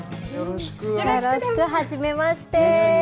よろしく、初めまして。